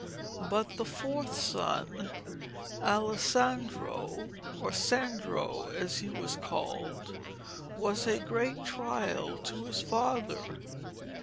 But the fourth son, Alessandro, or Sandro as he was called, was a great trial to his father.